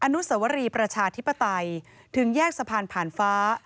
อนุสวรีประชาธิปไตยถึงแยกสะพานผ่านฟ้า